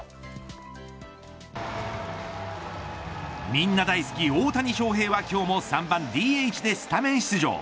みんな大好き大谷翔平は今日も３番ＤＨでスタメン出場。